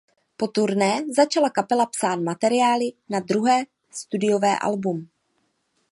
Po turné začala kapela psát materiály na druhé studiové album.